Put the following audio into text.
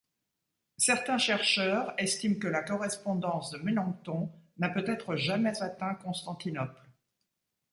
Certains chercheurs estiment que la correspondance de Melanchthon n'a peut-être jamais atteint Constantinople.